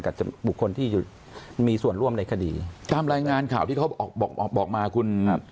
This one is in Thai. กับอุปกรณ์ที่มีส่วนร่วมในคดีตามรายงานข่าวที่เขาออกออกออกบอกมาคุณครับ